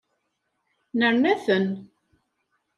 Nerna-ten.